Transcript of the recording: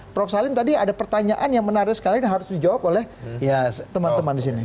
prof salim tadi ada pertanyaan yang menarik sekali yang harus dijawab oleh teman teman di sini